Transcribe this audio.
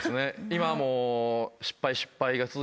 今もう。